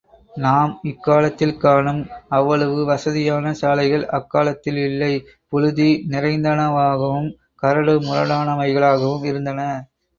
நாம் இக்காலத்தில் காணும் அவ்வளவு வசதியான சாலைகள் அக்காலத்தில் இல்லை புழுதி நிறைந்தனவாகவும், கரடு முரடானவைகளாகவும் இருந்தன.